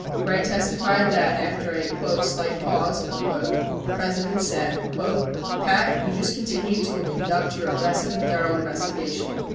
Gray testified that after a "slight pause," the President said : Pat, you just continue to conduct your aggressive and thorough investigation.